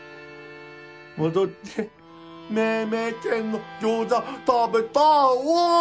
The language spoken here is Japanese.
戻って明々軒のギョーザ食べたいわ。